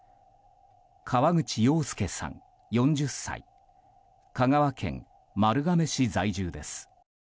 河口洋介さん、４０歳香川県丸亀市在住です。